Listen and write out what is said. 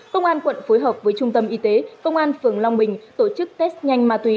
công an quận phối hợp với trung tâm y tế công an phường long bình tổ chức test nhanh ma túy